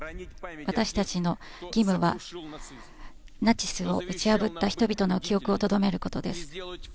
私たちの義務は、ナチスを打ち破った人々の記憶をとどめることです。